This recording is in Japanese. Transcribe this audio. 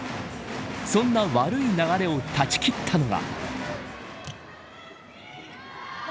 そんな悪い流れを断ち切ったのが。